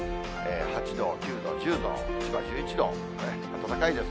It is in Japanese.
８度、９度、１０度、千葉１１度、暖かいです。